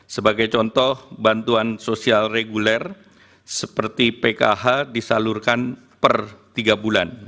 sebagai contoh bantuan sosial reguler seperti pkh disalurkan per tiga bulan